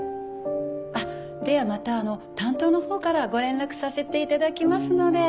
あっではまた担当のほうからご連絡させて頂きますので。